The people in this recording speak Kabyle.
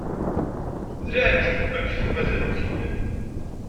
D leɛǧeb amek i ten-mazal ukin.